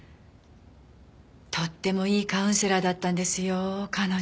とってもいいカウンセラーだったんですよ彼女。